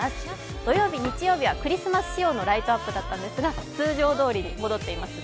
土曜日、日曜日はクリスマス仕様のライトアップだったんですが通常どおりに戻っていますね。